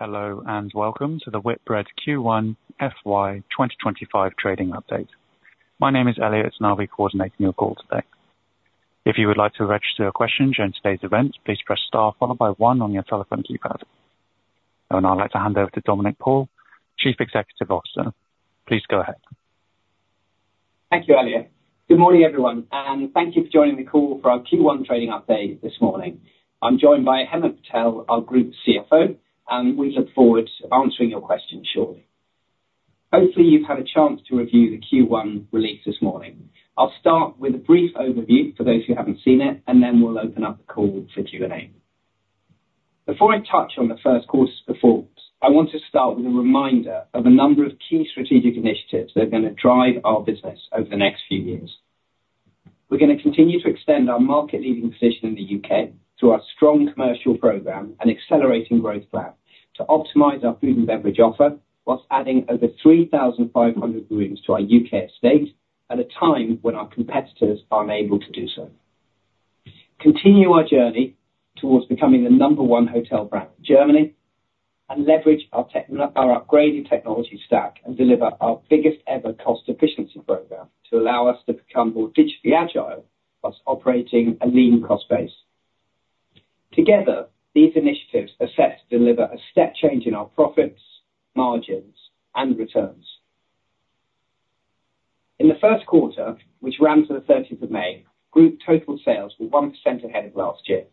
Hello, and welcome to the Whitbread Q1 FY 2025 trading update. My name is Elliot, and I'll be coordinating your call today. If you would like to register a question during today's event, please press star followed by one on your telephone keypad. I'd like to hand over to Dominic Paul, Chief Executive Officer. Please go ahead. Thank you, Elliot. Good morning, everyone, and thank you for joining the call for our Q1 trading update this morning. I'm joined by Hemant Patel, our Group CFO, and we look forward to answering your questions shortly. Hopefully, you've had a chance to review the Q1 release this morning. I'll start with a brief overview for those who haven't seen it, and then we'll open up the call for Q&A. Before I touch on the first quarter's performance, I want to start with a reminder of a number of key strategic initiatives that are gonna drive our business over the next few years. We're gonna continue to extend our market-leading position in the U.K. through our strong commercial program and Accelerating Growth Plan to optimize our food and beverage offer, whilst adding over 3,500 rooms to our U.K. estate at a time when our competitors are unable to do so. Continue our journey towards becoming the number one hotel brand in Germany, and leverage our upgraded technology stack and deliver our biggest ever cost efficiency program to allow us to become more digitally agile whilst operating a lean cost base. Together, these initiatives are set to deliver a step change in our profits, margins, and returns. In the first quarter, which ran to the thirteenth of May, group total sales were 1% ahead of last year,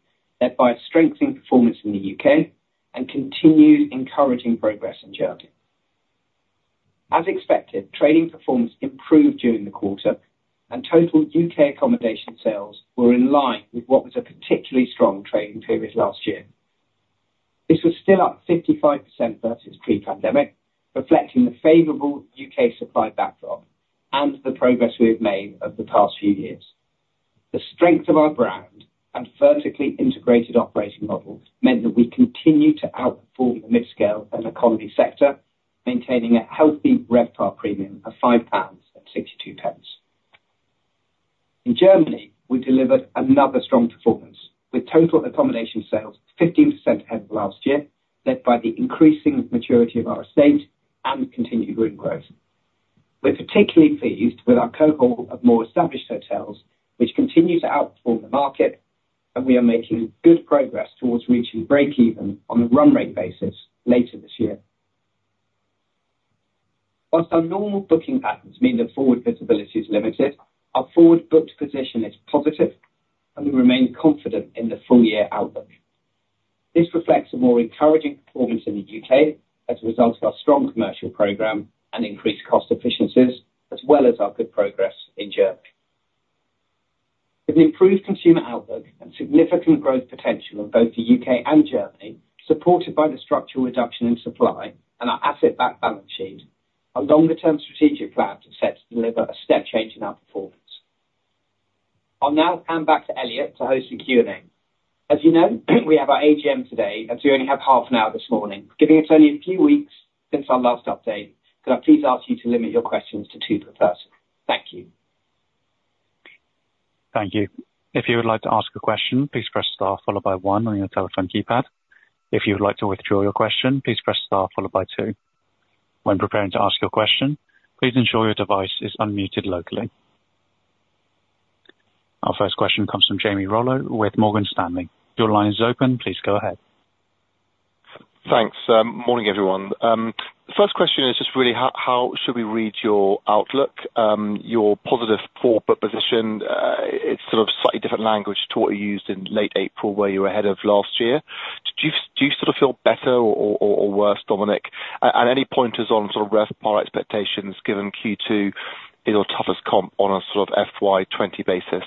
led by a strengthening performance in the U.K. and continued encouraging progress in Germany. As expected, trading performance improved during the quarter, and total U.K. accommodation sales were in line with what was a particularly strong trading period last year. This was still up 55% versus pre-pandemic, reflecting the favorable U.K. supply backdrop and the progress we have made over the past few years. The strength of our brand and vertically integrated operating model meant that we continue to outperform the midscale and economy sector, maintaining a healthy RevPAR premium of 5.62 pounds. In Germany, we delivered another strong performance, with total accommodation sales 15% ahead of last year, led by the increasing maturity of our estate and continued room growth. We're particularly pleased with our cohort of more established hotels, which continues to outperform the market, and we are making good progress towards reaching breakeven on a run rate basis later this year. While our normal booking patterns mean that forward visibility is limited, our forward booked position is positive, and we remain confident in the full year outlook. This reflects a more encouraging performance in the U.K. as a result of our strong commercial program and increased cost efficiencies, as well as our good progress in Germany. With the improved consumer outlook and significant growth potential in both the U.K. and Germany, supported by the structural reduction in supply and our asset-backed balance sheet, our longer term strategic plans are set to deliver a step change in our performance. I'll now hand back to Elliot to host the Q&A. As you know, we have our AGM today, and so we only have half an hour this morning, given it's only a few weeks since our last update. Could I please ask you to limit your questions to two per person? Thank you. Thank you. If you would like to ask a question, please press star followed by one on your telephone keypad. If you would like to withdraw your question, please press star followed by two. When preparing to ask your question, please ensure your device is unmuted locally. Our first question comes from Jamie Rollo with Morgan Stanley. Your line is open. Please go ahead. Thanks. Morning, everyone. The first question is just really how should we read your outlook, your positive forward book position? It's sort of slightly different language to what you used in late April, where you were ahead of last year. Do you sort of feel better or worse, Dominic? And any pointers on sort of RevPAR expectations, given Q2 is your toughest comp on a sort of FY20 basis?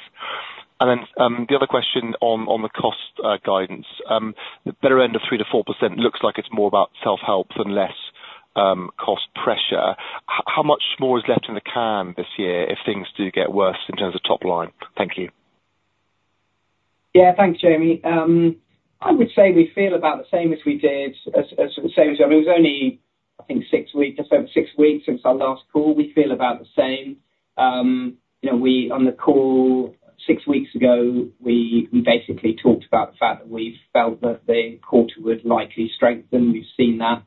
And then, the other question on the cost guidance. The better end of 3%-4% looks like it's more about self-help than less cost pressure. How much more is left in the can this year if things do get worse in terms of top line? Thank you. Yeah, thanks, Jamie. I would say we feel about the same as we did, I mean, it was only, I think, 6 weeks, just over 6 weeks since our last call. We feel about the same. You know, on the call 6 weeks ago, we basically talked about the fact that we felt that the quarter would likely strengthen, we've seen that.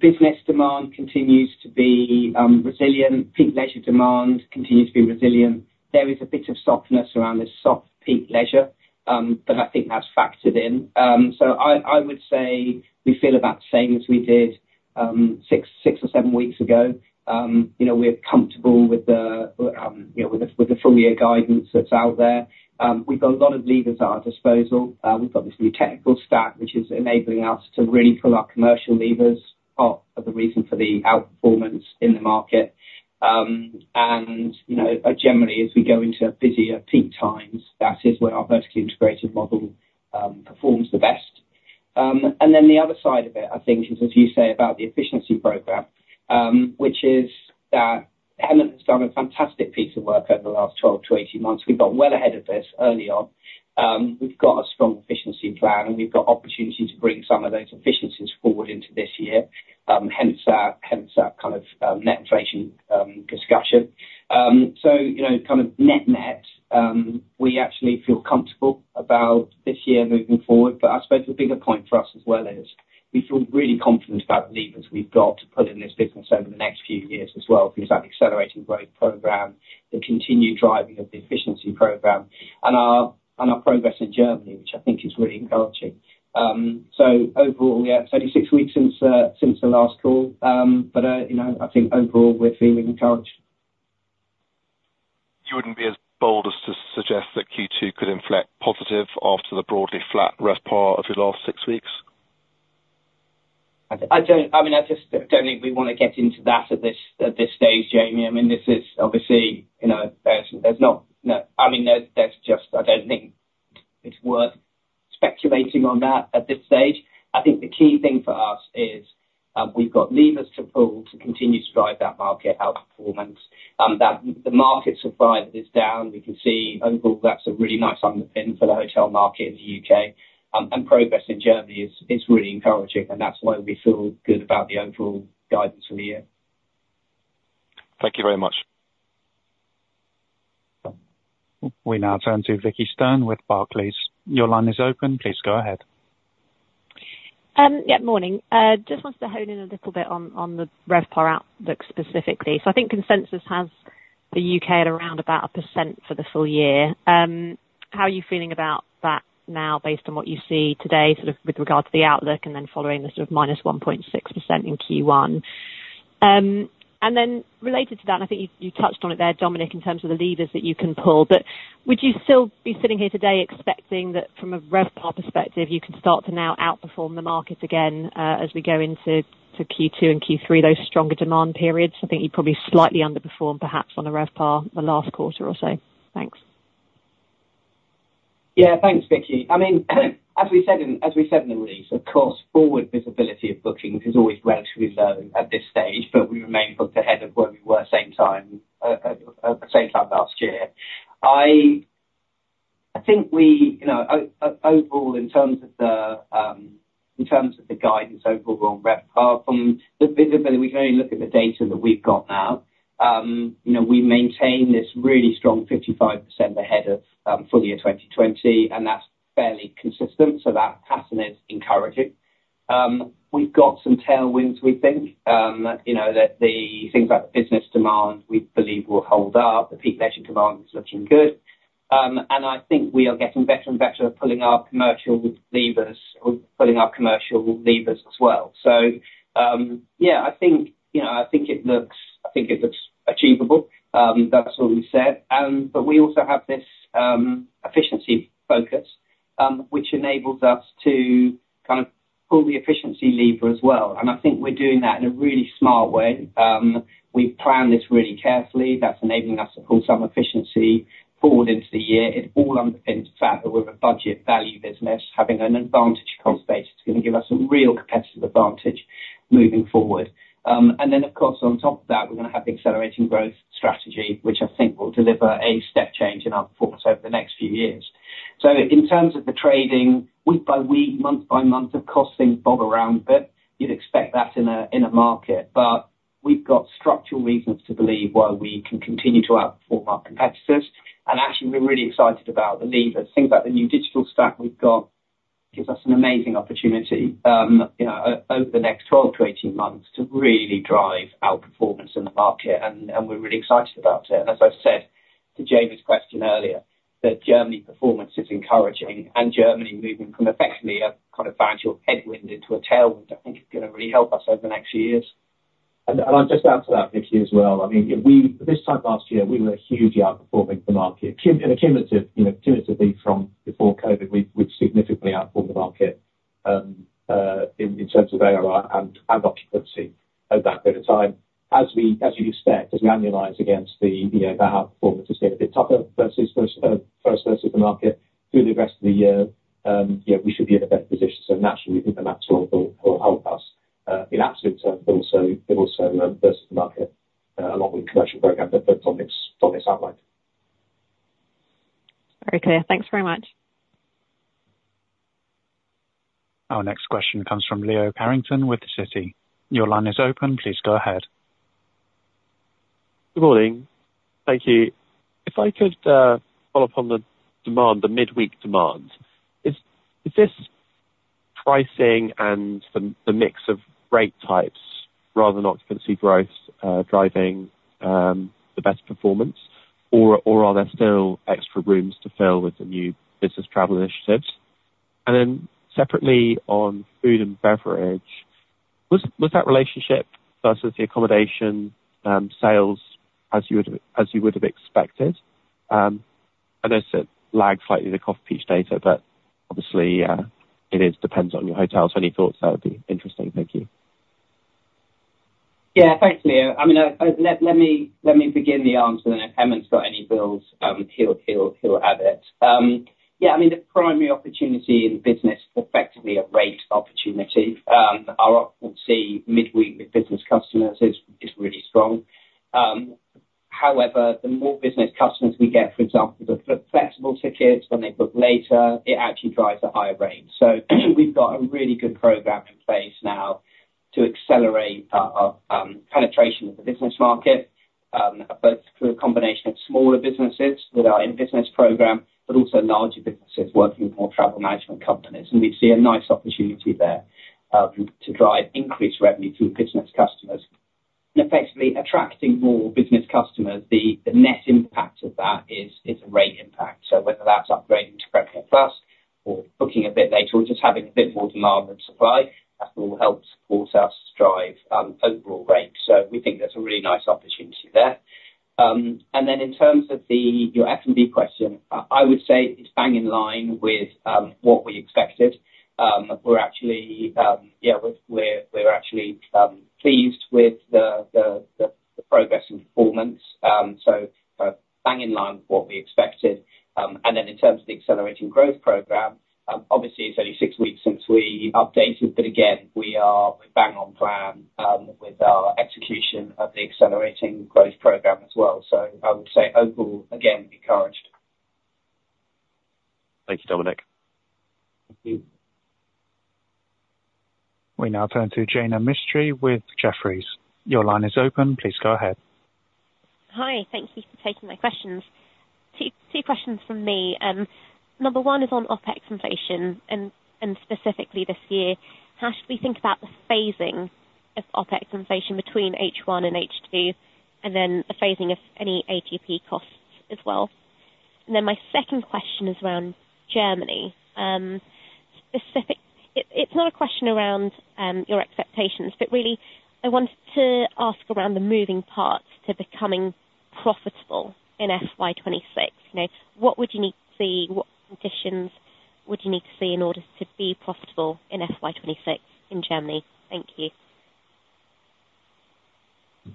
Business demand continues to be resilient. Peak leisure demand continues to be resilient. There is a bit of softness around this soft peak leisure, but I think that's factored in. So I would say we feel about the same as we did, 6 or 7 weeks ago. You know, we're comfortable with the full year guidance that's out there. We've got a lot of levers at our disposal. We've got this new technical stack, which is enabling us to really pull our commercial levers, part of the reason for the outperformance in the market. And, you know, generally, as we go into busier peak times, that is where our vertically integrated model performs the best. And then the other side of it, I think, is, as you say, about the efficiency program, which is that Hemant has done a fantastic piece of work over the last 12-18 months. We got well ahead of this early on. We've got a strong efficiency plan, and we've got opportunity to bring some of those efficiencies forward into this year. Hence our, hence our kind of, net inflation-. So, you know, kind of net-net, we actually feel comfortable about this year moving forward, but I suppose the bigger point for us as well is we feel really confident about the levers we've got to pull in this business over the next few years as well, because that accelerating growth program, the continued driving of the efficiency program and our progress in Germany, which I think is really encouraging. So overall, yeah, it's only six weeks since since the last call, but, you know, I think overall, we're feeling encouraged. You wouldn't be as bold as to suggest that Q2 could inflect positive after the broadly flat RevPAR of the last six weeks? I don't, I mean, I just don't think we want to get into that at this stage, Jamie. I mean, this is obviously, you know, there's not, no. I mean, there's just, I don't think it's worth speculating on that at this stage. I think the key thing for us is, we've got levers to pull to continue to drive that market, our performance. That the market supply is down. We can see overall, that's a really nice underpin for the hotel market in the U.K. And progress in Germany is really encouraging, and that's why we feel good about the overall guidance for the year. Thank you very much. We now turn to Vicki Stern with Barclays. Your line is open. Please go ahead. Yeah, morning. Just wanted to hone in a little bit on the RevPAR outlook specifically. So I think consensus has the U.K. at around about 1% for the full year. How are you feeling about that now, based on what you see today, sort of with regard to the outlook and then following the sort of -1.6% in Q1? And then related to that, I think you touched on it there, Dominic, in terms of the levers that you can pull, but would you still be sitting here today expecting that, from a RevPAR perspective, you can start to now outperform the market again, as we go into Q2 and Q3, those stronger demand periods? I think you probably slightly underperformed, perhaps on the RevPAR the last quarter or so. Thanks. Yeah, thanks, Vicki. I mean, as we said in, as we said in the release, of course, forward visibility of bookings is always relatively low at this stage, but we remain booked ahead of where we were same time last year. I think we, you know, overall, in terms of the guidance overall, on RevPAR from the visibility, we can only look at the data that we've got now. You know, we maintain this really strong 55% ahead of full year 2020, and that's fairly consistent, so that pattern is encouraging. We've got some tailwinds, we think. You know, that the things like the business demand, we believe will hold up. The peak leisure demand is looking good. And I think we are getting better and better at pulling our commercial levers or pulling our commercial levers as well. So, yeah, I think, you know, I think it looks, I think it looks achievable. That's all we've said. But we also have this efficiency focus, which enables us to kind of pull the efficiency lever as well, and I think we're doing that in a really smart way. We've planned this really carefully. That's enabling us to pull some efficiency forward into the year. It all underpins the fact that we're a budget value business, having an advantage cost base. It's gonna give us a real competitive advantage moving forward. And then, of course, on top of that, we're gonna have the accelerating growth strategy, which I think will deliver a step change in our performance over the next few years. So in terms of the trading, week by week, month by month, of course, things bob around a bit. You'd expect that in a market, but we've got structural reasons to believe why we can continue to outperform our competitors. And actually, we're really excited about the levers. Think about the new digital stack we've got, gives us an amazing opportunity, you know, over the next 12-18 months to really drive our performance in the market, and we're really excited about it. As I've said to Jamie's question earlier, the Germany performance is encouraging, and Germany moving from effectively a kind of financial headwind into a tailwind, I think is gonna really help us over the next few years. And I'll just add to that, Vicki, as well. I mean, this time last year, we were hugely outperforming the market. In a cumulative, you know, cumulatively from before COVID, we've significantly outperformed the market in terms of ARI and occupancy at that point in time. As you expect, as we annualize against the, you know, that outperformance is getting a bit tougher for us versus the market. Through the rest of the year, yeah, we should be in a better position, so naturally, we think that natural will help us in absolute terms, but also versus the market along with the commercial program that Dominic's outlined. Very clear. Thanks very much. Our next question comes from Leo Carrington with Citi. Your line is open. Please go ahead. Good morning. Thank you. If I could follow up on the demand, the midweek demand. Is this pricing and the mix of rate types rather than occupancy growth driving the best performance or are there still extra rooms to fill with the new business travel initiatives? And then separately, on food and beverage, was that relationship versus the accommodation sales as you would have expected? I know it's lagging slightly the Coffer Peach data, but obviously, it depends on your hotel. So any thoughts on that would be interesting. Thank you. Yeah, thanks, Leo. I mean, let me begin the answer, and then if Hemant's got any thoughts, she'll add it. Yeah, I mean, the primary opportunity in business is effectively a rate opportunity. Our occupancy midweek with business customers is really strong. However, the more business customers we get, for example, the flexible tickets, when they book later, it actually drives a higher rate. So we've got a really good program in place now to accelerate our penetration of the business market, both through a combination of smaller businesses with our in-business program, but also larger businesses working with more travel management companies. And we see a nice opportunity there, to drive increased revenue through business customers. And effectively attracting more business customers, the net impact of that is a rate impact. So whether that's upgrading to Premium Plus or booking a bit later, or just having a bit more demand than supply, that will help support us to drive overall rate. So we think there's a really nice opportunity there. And then in terms of your F&B question, I would say it's bang in line with what we expected. We're actually, yeah, we're actually pleased with the progress and performance. So bang in line with what we expected. And then in terms of the accelerating growth program, obviously it's only six weeks since we updated, but again, we are bang on plan with our execution of the accelerating growth program as well. I would say overall, again, encouraged. Thank you, Dominic. Thank you. We now turn to Jaina Mistry with Jefferies. Your line is open, please go ahead. Hi, thank you for taking my questions. Two questions from me. Number one is on OPEX inflation, and specifically this year, how should we think about the phasing of OPEX inflation between H1 and H2, and then the phasing of any AGP costs as well? And then my second question is around Germany. Specifically, it's not a question around your expectations, but really I wanted to ask around the moving parts to becoming profitable in FY26. You know, what would you need to see? What conditions would you need to see in order to be profitable in FY26 in Germany? Thank you.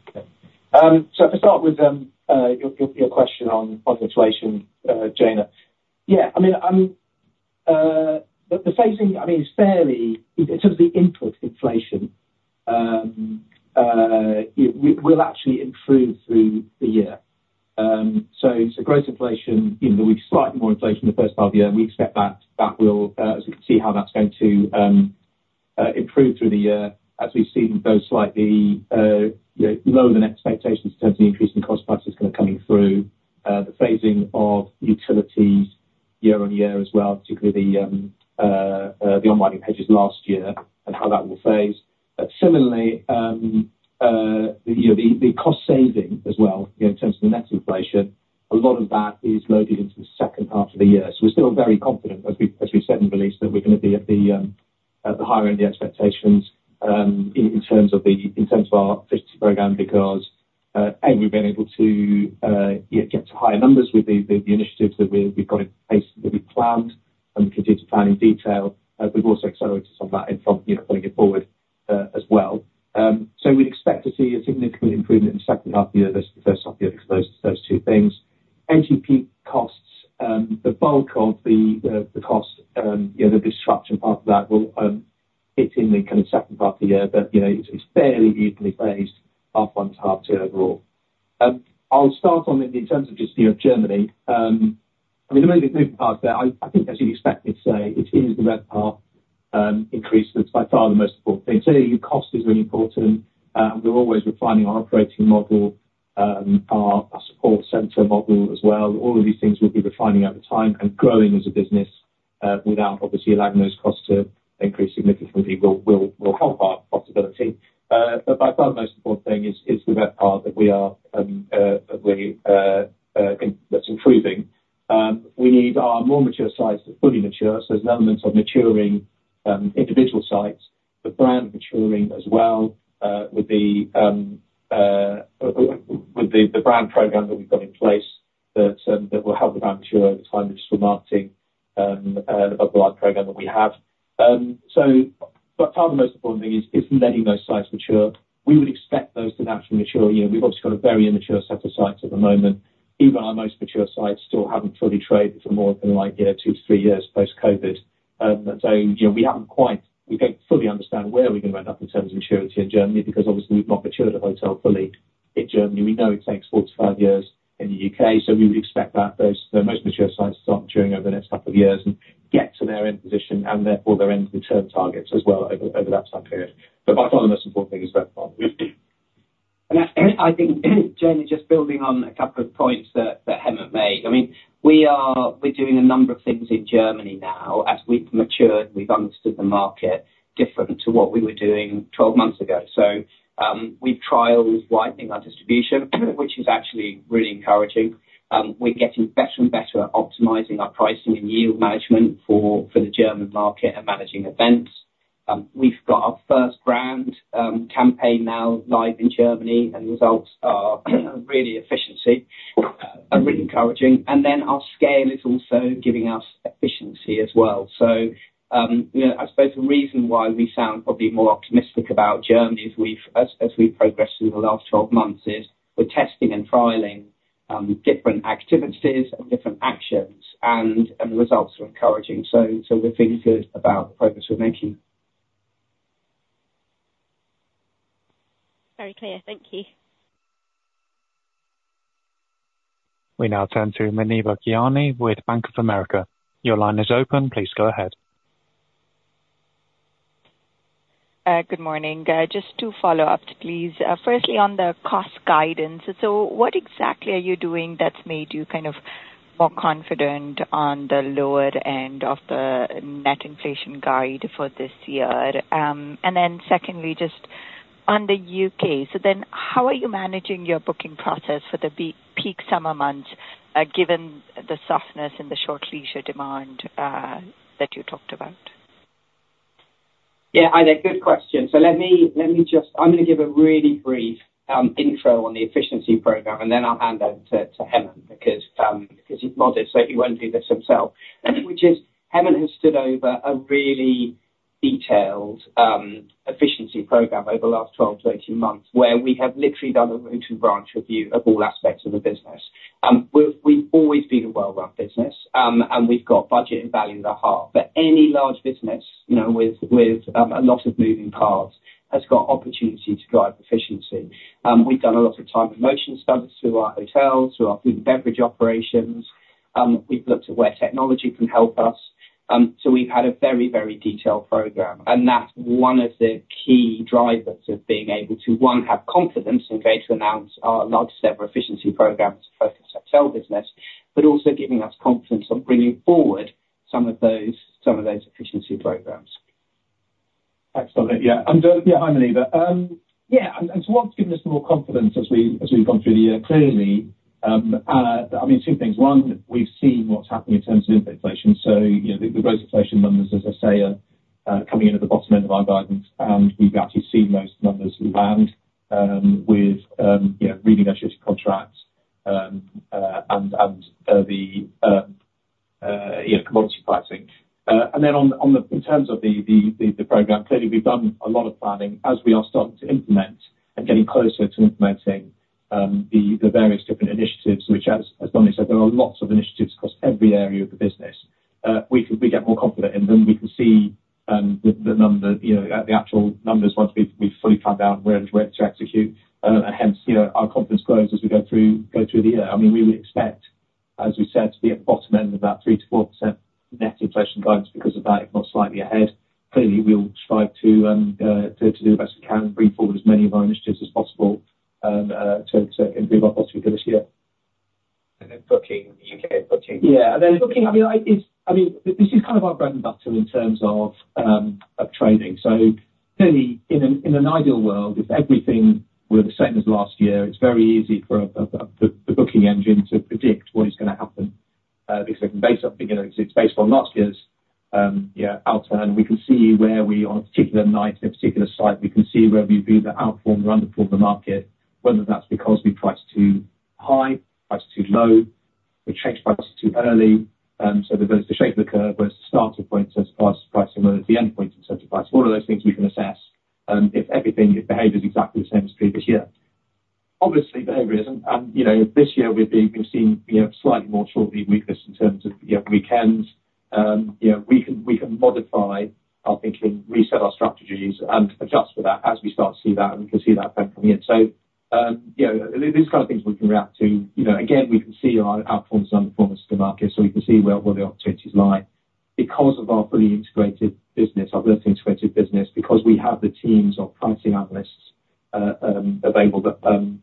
Okay. So to start with, your question on inflation, Jaina. Yeah, I mean, the phasing, I mean, it's fairly. In terms of the input inflation, we'll actually improve through the year. So gross inflation, you know, we've slightly more inflation in the first half of the year, and we expect that will, as we can see how that's going to improve through the year, as we've seen both slightly, you know, lower than expectations in terms of the increase in cost prices kind of coming through, the phasing of utilities year-on-year as well, particularly the unwinding hedges last year and how that will phase. But similarly, you know, the cost saving as well, in terms of the net inflation, a lot of that is loaded into the second half of the year. So we're still very confident, as we said in the release, that we're gonna be at the higher end of the expectations, in terms of our efficiency program, because we've been able to get to higher numbers with the initiatives that we've got in place that we've planned and we continue to plan in detail. We've also accelerated some of that in front, you know, pulling it forward, as well. So we'd expect to see a significant improvement in the second half of the year versus the first half of the year because those two things. AGP costs, the bulk of the, the cost, you know, the disruption part of that will hit in the kind of second part of the year, but, you know, it's, it's fairly evenly phased half one to half two overall. I'll start on it in terms of just, you know, Germany. I mean, the moving parts there, I think as you'd expect me to say, it is the RevPAR increase that's by far the most important thing. Clearly, cost is really important, and we're always refining our operating model, our support center model as well. All of these things we'll be refining at the time and growing as a business, without obviously allowing those costs to increase significantly will help our profitability. But by far the most important thing is the RevPAR that's improving. We need our more mature sites to fully mature, so there's an element of maturing individual sites. The brand maturing as well with the brand program that we've got in place that will help the brand mature over time, which is for marketing the brand program that we have. So by far the most important thing is letting those sites mature. We would expect those to naturally mature. You know, we've obviously got a very immature set of sites at the moment. Even our most mature sites still haven't fully traded for more than, like, you know, 2-3 years post-COVID. You know, we don't fully understand where we're going to end up in terms of maturity in Germany, because obviously we've not matured a hotel fully in Germany. We know it takes 4-5 years in the U.K., so we would expect that those, the most mature sites start maturing over the next couple of years and get to their end position, and therefore their end return targets as well over that time period. But by far, the most important thing is RevPAR. I think Jaina, just building on a couple of points that Hemant made. I mean, we're doing a number of things in Germany now. As we've matured, we've understood the market different to what we were doing 12 months ago. So, we've trialed widening our distribution, which is actually really encouraging. We're getting better and better at optimizing our pricing and yield management for the German market and managing events. We've got our first brand campaign now live in Germany, and the results are really efficiency, really encouraging. And then our scale is also giving us efficiency as well. You know, I suppose the reason why we sound probably more optimistic about Germany as we've progressed through the last 12 months is, we're testing and trialing different activities and different actions, and the results are encouraging. So we're feeling good about the progress we're making. Very clear. Thank you. We now turn to Muneeba Kiani with Bank of America. Your line is open. Please go ahead. Good morning. Just two follow-ups, please. Firstly, on the cost guidance, so what exactly are you doing that's made you kind of more confident on the lower end of the net inflation guide for this year? And then secondly, just on the U.K., so then how are you managing your booking process for the peak summer months, given the softness in the short leisure demand, that you talked about? Yeah, hi there. Good question. So let me just, I'm gonna give a really brief intro on the efficiency program, and then I'll hand over to Hemant, because he's modest, so he won't do this himself. Which is, Hemant has stood over a really detailed efficiency program over the last 12-18 months, where we have literally done a root and branch review of all aspects of the business. We've always been a well-run business, and we've got budget and value at our heart, but any large business, you know, with a lot of moving parts, has got opportunity to drive efficiency. We've done a lot of time and motion studies through our hotels, through our food and beverage operations, we've looked at where technology can help us. So we've had a very, very detailed program. That's one of the key drivers of being able to, one, have confidence in going to announce our largest ever efficiency program to focus our hotel business, but also giving us confidence on bringing forward some of those efficiency programs. Excellent. Yeah, and yeah, hi, Muneeba. Yeah, and so what's given us more confidence as we've gone through the year, clearly, I mean, two things. One, we've seen what's happening in terms of inflation. So, you know, the growth inflation numbers, as I say, are coming in at the bottom end of our guidance, and we've actually seen those numbers land with you know, really negotiated contracts, and the commodity pricing. And then on the in terms of the program, clearly, we've done a lot of planning, as we are starting to implement, and getting closer to implementing, the various different initiatives, which as Dominic said, there are lots of initiatives across every area of the business. We get more confident, and then we can see the numbers, you know, the actual numbers once we've fully planned out and we're ready to execute, and hence, you know, our confidence grows as we go through the year. I mean, we would expect, as we said, to be at the bottom end of about 3%-4% net inflation guidance because of that, if not slightly ahead. Clearly, we'll try to do the best we can, bring forward as many of our initiatives as possible, to improve our profitability this year. And then booking, U.K. booking. Yeah, and then booking, I mean, it's, I mean, this is kind of our bread and butter in terms of trading. So clearly, in an ideal world, if everything were the same as last year, it's very easy for the booking engine to predict what is going to happen, because it's based on, you know, because it's based on last year's, you know, outturn. We can see where we on a particular night, in a particular site, we can see where we've either outperformed or underperformed the market, whether that's because we priced too high, priced too low, we changed prices too early. So there's the shape of the curve, where's the starting point as far as pricing, where is the end point in terms of price. All of those things we can assess, if everything behaves exactly the same as previous year. Obviously, behavior isn't, and, you know, this year we've been, we've seen, you know, slightly more shortly weakness in terms of, you know, weekends. You know, we can, we can modify our thinking, reset our strategies, and adjust for that as we start to see that, and we can see that coming in. So, you know, these kind of things we can react to, you know, again, we can see our outperformance and underperformance in the market, so we can see where, where the opportunities lie. Because of our fully integrated business, our fully integrated business, because we have the teams of pricing analysts available, but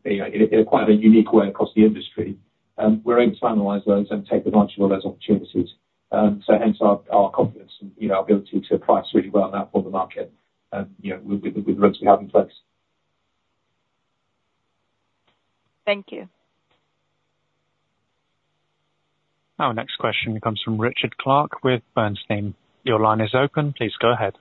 you know, in quite a unique way across the industry, we're able to analyze those and take advantage of all those opportunities. So hence our confidence in you know our ability to price really well and outperform the market, and you know with the risks we have in place. Thank you. Our next question comes from Richard Clarke with Bernstein. Your line is open. Please go ahead.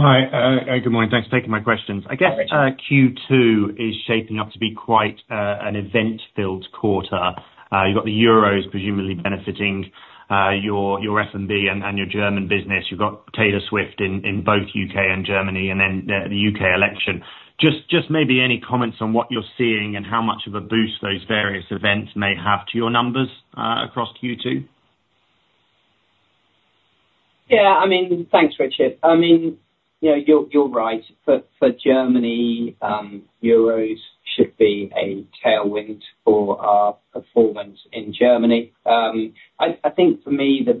Hi, good morning. Thanks for taking my questions. Hi, Richard. I guess, Q2 is shaping up to be quite an event-filled quarter. You've got the Euros presumably benefiting your F&B and your German business. You've got Taylor Swift in both U.K. and Germany, and then the U.K. election. Just maybe any comments on what you're seeing, and how much of a boost those various events may have to your numbers across Q2? Yeah, I mean, thanks, Richard. I mean, you know, you're right. For Germany, euros should be a tailwind for our performance in Germany. I think for me, the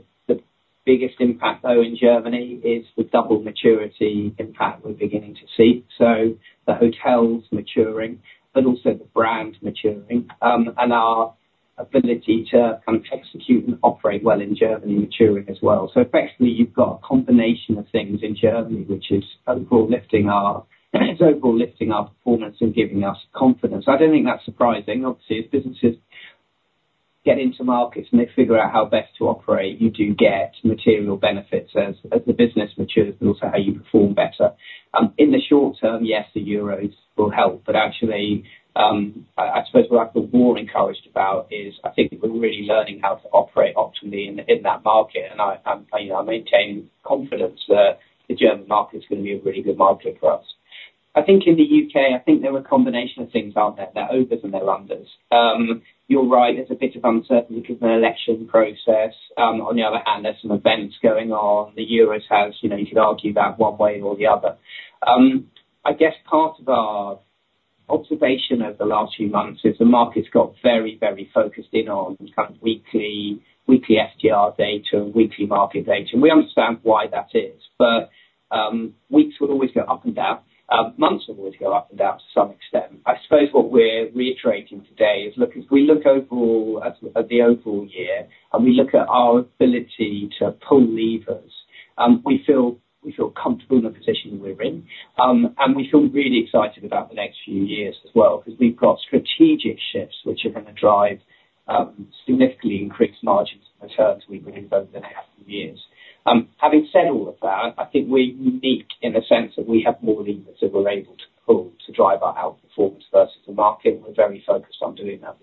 biggest impact, though, in Germany, is the double maturity impact we're beginning to see. So the hotels maturing, but also the brand maturing, and our ability to kind of execute and operate well in Germany, maturing as well. So effectively, you've got a combination of things in Germany, which is overall lifting our performance and giving us confidence. I don't think that's surprising. Obviously, as businesses get into markets, and they figure out how best to operate, you do get material benefits as the business matures, but also how you perform better. In the short term, yes, the Euros will help, but actually, I suppose what I feel more encouraged about is, I think we're really learning how to operate optimally in that market. And you know, I maintain confidence that the German market is gonna be a really good market for us. I think in the U.K., I think there were a combination of things out there, there are overs and there are unders. You're right, there's a bit of uncertainty with the election process. On the other hand, there's some events going on. The Euros has, you know, you could argue that one way or the other. I guess part of our observation over the last few months, is the market's got very, very focused in on kind of weekly, weekly STR data and weekly market data, and we understand why that is. But, weeks will always go up and down. Months will always go up and down to some extent. I suppose what we're reiterating today is, look, if we look overall at, at the overall year, and we look at our ability to pull levers, we feel, we feel comfortable in the position we're in. And we feel really excited about the next few years as well, 'cause we've got strategic shifts which are gonna drive, significantly increased margins and returns we believe, over the next few years. Having said all of that, I think we're unique in the sense that we have more levers that we're able to pull to drive our outperformance versus the market. We're very focused on doing that.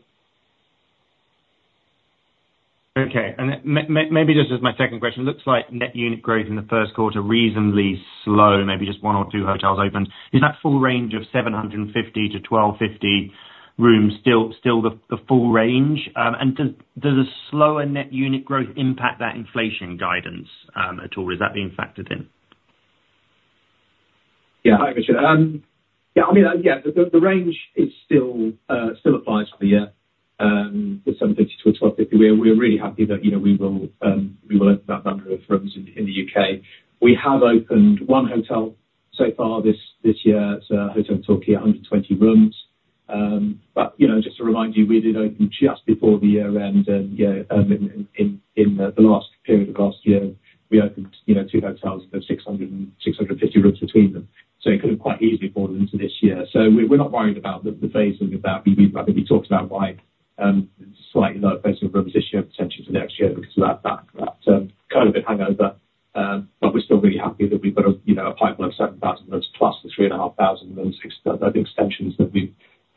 Okay. Maybe just as my second question, looks like net unit growth in the first quarter, reasonably slow, maybe just one or two hotels opened. Is that full range of 750-1,250 rooms still the full range? And does a slower net unit growth impact that inflation guidance at all, or is that being factored in? Yeah. Hi, Richard. Yeah, I mean, yeah, the range is still applies for the year, the 750-1,250. We're really happy that, you know, we will open that number of rooms in the U.K. We have opened one hotel so far this year. It's Hotel Tokyo, 120 rooms. But, you know, just to remind you, we did open just before the year end, and, you know, in the last period of last year, we opened, you know, two hotels, with 600 and 650 rooms between them. So it could have quite easily fallen into this year. So we're not worried about the phasing of that. I think we talked about why slightly lower phasing of rooms this year, potentially to next year, because of that COVID hangover. But we're still really happy that we've got a, you know, a pipeline of 7,000+, the 3,500 of those are the extensions that we've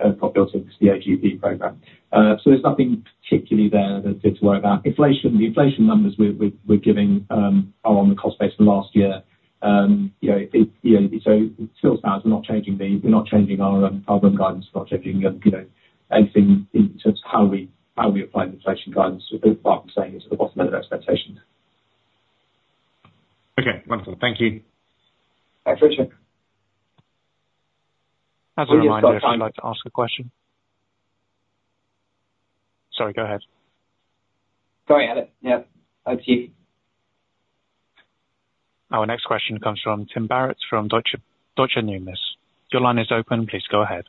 built into the AGP program. So there's nothing particularly there to worry about. Inflation, the inflation numbers we're giving are on the cost base for last year. You know, you know, so it still sounds, we're not changing the, we're not changing our room guidance, we're not changing, you know, anything in terms of how we apply the inflation guidance. So what Mark was saying is at the bottom end of expectation. Okay, wonderful. Thank you. Thanks, Richard. As a reminder, you'd like to ask a question. Sorry, go ahead. Go ahead, yeah. Over to you. Our next question comes from Tim Barrett, from Deutsche Numis. Your line is open, please go ahead.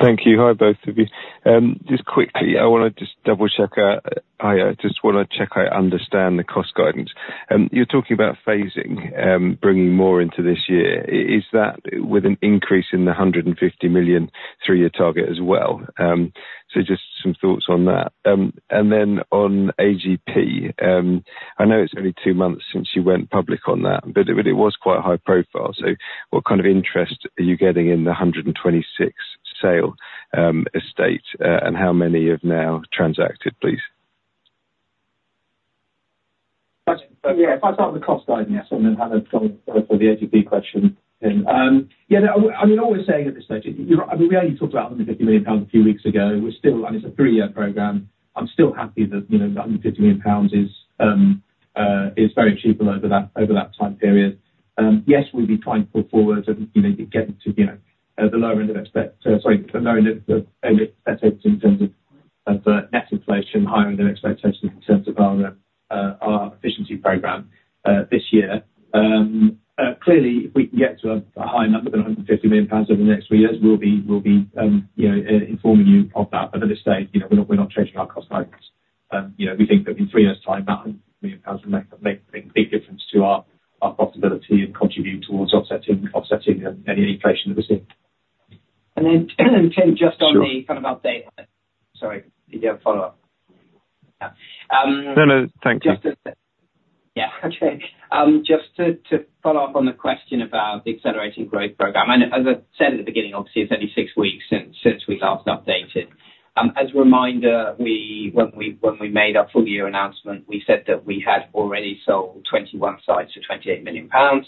Thank you. Hi, both of you. Just quickly, I wanna just double-check, I just wanna check I understand the cost guidance. You're talking about phasing, bringing more into this year. Is that with an increase in the 150 million three-year target as well? So just some thoughts on that. And then on AGP, I know it's only two months since you went public on that, but it was quite high profile. So what kind of interest are you getting in the 126 sale estate, and how many have now transacted, please? Yeah, if I start with the cost guidance, and then have Hammond go for the AGP question, then. Yeah, no, I mean, all we're saying at this stage, you know, I mean, we only talked about 150 million pounds a few weeks ago. We're still. And it's a three-year program. I'm still happy that, you know, 150 million pounds is very achievable over that time period. Yes, we'll be trying to pull forward and, you know, get to the lower end of AGP in terms of net inflation, higher end of expectation in terms of our efficiency program this year. Clearly, if we can get to a higher number than 150 million pounds over the next 3 years, we'll be informing you of that. But at this stage, you know, we're not changing our cost guidance. You know, we think that in 3 years' time, that 100 million pounds will make big difference to our profitability, and contribute towards offsetting any inflation that we're seeing. And then, Tim, just on the- Sure. kind of update. Sorry, you have follow up? Yeah. No, no. Thank you. Just to follow up on the question about the accelerating growth program, and as I said at the beginning, obviously, it's only 6 weeks since we last updated. As a reminder, when we made our full year announcement, we said that we had already sold 21 sites for 28 million pounds.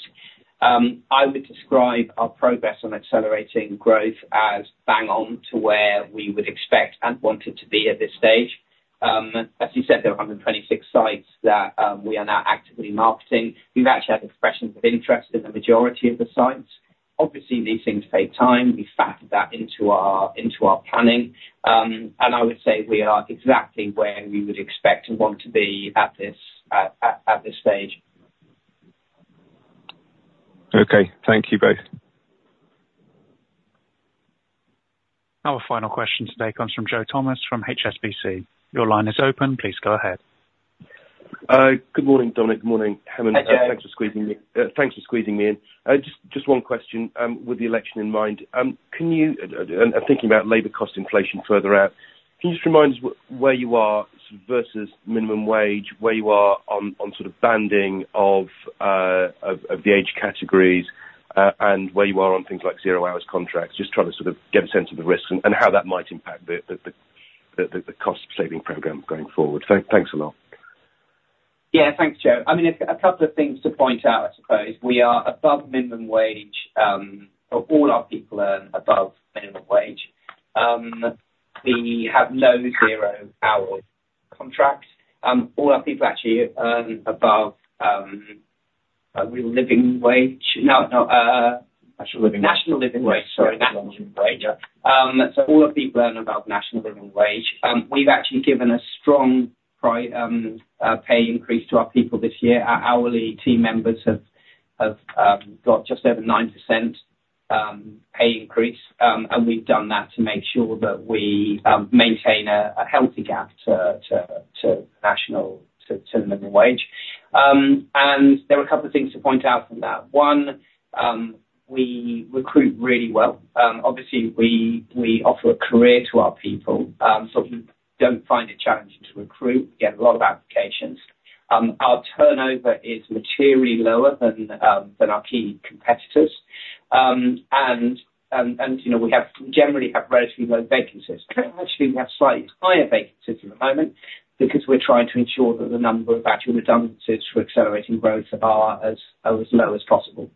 I would describe our progress on accelerating growth as bang on, to where we would expect and want it to be at this stage. As you said, there are 126 sites that we are now actively marketing. We've actually had expressions of interest in the majority of the sites. Obviously, these things take time. We've factored that into our planning. I would say, we are exactly where we would expect and want to be at this stage. Okay. Thank you, both. Our final question today comes from Joe Thomas, from HSBC. Your line is open, please go ahead. Good morning, Dominic, good morning, Hemant. Hey, Joe. Thanks for squeezing me, thanks for squeezing me in. Just, just one question, with the election in mind. Thinking about labor cost inflation further out, can you just remind us where you are versus minimum wage, where you are on sort of banding of the age categories, and where you are on things like zero-hours contracts? Just trying to sort of get a sense of the risks, and how that might impact the cost saving program going forward. Thanks a lot. Yeah, thanks, Joe. I mean, a couple of things to point out, I suppose. We are above minimum wage. All our people earn above minimum wage. We have no zero-hours contracts. All our people actually earn above a real living wage. No, no. National Living Wage. National Living Wage! Sorry. National Living Wage, yeah. So all our people earn above National Living Wage. We've actually given a strong pay increase to our people this year. Our hourly team members have got just over 9% pay increase, and we've done that to make sure that we maintain a healthy gap to national to the minimum wage. And there are a couple of things to point out from that. One, we recruit really well. Obviously, we offer a career to our people, so we don't find it challenging to recruit, get a lot of applications. Our turnover is materially lower than our key competitors. And you know, we generally have relatively low vacancies. Actually, we have slightly higher vacancies at the moment because we're trying to ensure that the number of actual redundancies for accelerating growth are as low as possible.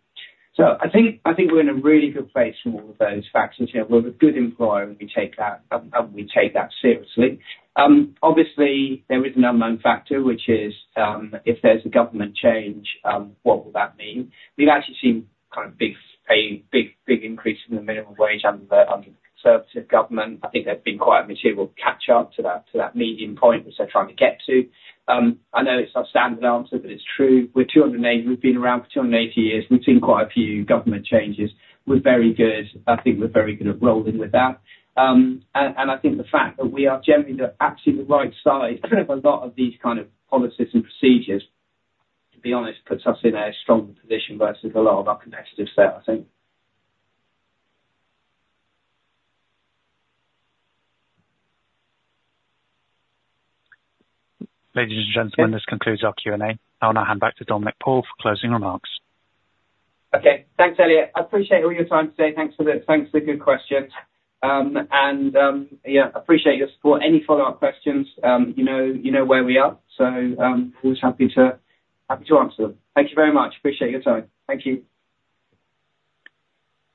So I think we're in a really good place from all of those factors. You know, we're a good employer, and we take that seriously. Obviously, there is an unknown factor, which is if there's a government change, what will that mean? We've actually seen kind of big pay, big increase in the minimum wage under the conservative government. I think they've been quite material catch up to that medium point, which they're trying to get to. I know it's a standard answer, but it's true. We're 280. We've been around for 280 years. We've seen quite a few government changes. We're very good. I think we're very good at rolling with that. I think the fact that we are generally the absolutely right size of a lot of these kind of policies and procedures, to be honest, puts us in a stronger position versus a lot of our competitors there, I think. Ladies and gentlemen, this concludes our Q&A. I'll now hand back to Dominic Paul for closing remarks. Okay. Thanks, Elliot. I appreciate all your time today. Thanks for the good questions. And yeah, appreciate your support. Any follow-up questions, you know, you know where we are, so always happy to happy to answer them. Thank you very much. Appreciate your time. Thank you.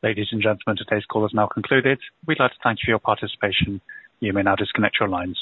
Ladies and gentlemen, today's call is now concluded. We'd like to thank you for your participation. You may now disconnect your lines.